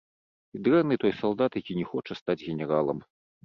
І дрэнны той салдат, які не хоча стаць генералам.